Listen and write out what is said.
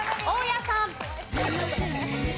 大家さん。